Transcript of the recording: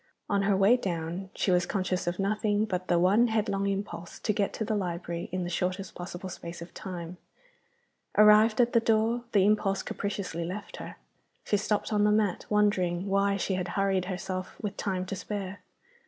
On her way down she was conscious of nothing but the one headlong impulse to get to the library in the shortest possible space of time. Arrived at the door, the impulse capriciously left her. She stopped on the mat, wondering why she had hurried herself, with time to spare.